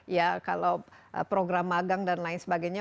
ya kalau program magang dan lain sebagainya